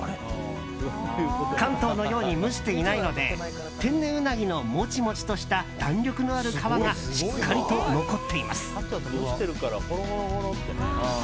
関東のように蒸していないので天然ウナギのモチモチとした弾力のある皮がしっかりと残っています。